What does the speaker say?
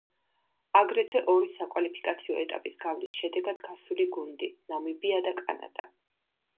აგრეთვე ორი საკვალიფიკაციო ეტაპის გავლის შედეგად გასული გუნდი, ნამიბია და კანადა.